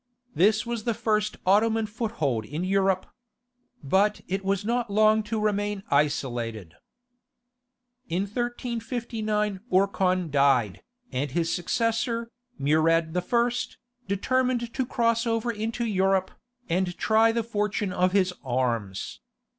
This was the first Ottoman foothold in Europe, but it was not long to remain isolated. In 1359 Orkhan died, and his successor, Murad I., determined to cross over into Europe, and try the fortune of his arms.